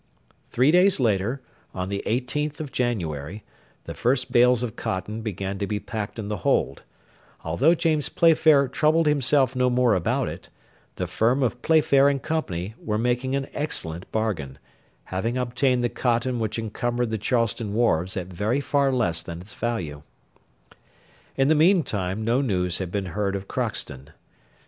Three days later, on the 18th of January, the first bales of cotton began to be packed in the hold: although James Playfair troubled himself no more about it, the firm of Playfair and Co. were making an excellent bargain, having obtained the cotton which encumbered the Charleston wharves at very far less than its value. In the meantime no news had been heard of Crockston.